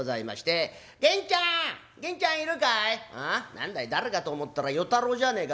何だい誰かと思ったら与太郎じゃねえか。